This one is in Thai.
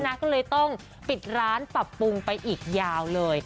นะก็เลยต้องปิดร้านปรับปรุงไปอีกยาวเลย